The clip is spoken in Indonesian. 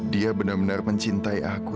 dia benar benar mencintai aku